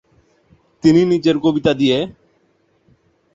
তিনি নিচের কবিতা দিয়ে